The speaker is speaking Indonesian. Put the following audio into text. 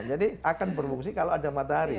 jadi akan berfungsi kalau ada matahari